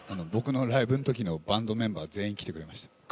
僕のライブのときのバンドメンバー全員来てくれました。